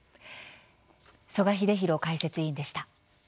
曽我英弘解説委員でした。